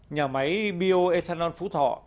nhà máy bioethanol phú thọ